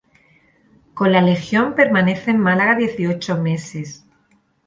Con la Legión permanece en Málaga dieciocho meses.